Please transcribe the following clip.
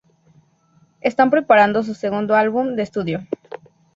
Están preparando su segundo álbum de estudio.